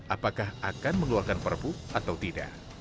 apakah akan mengeluarkan perpu atau tidak